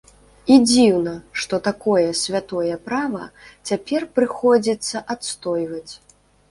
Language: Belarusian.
І дзіўна, што такое святое права цяпер прыходзіцца адстойваць.